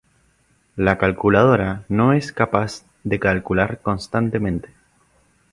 La calculadora no es capaz de calcular constantemente.